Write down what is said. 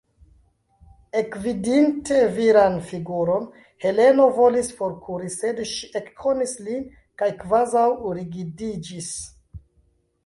Ekvidinte viran figuron, Heleno volis forkuri, sed ŝi ekkonis lin kaj kvazaŭ rigidiĝis.